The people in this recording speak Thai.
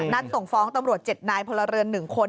นัดส่งฟ้องตำรวจเจ็ดนายพลเรือน๑คน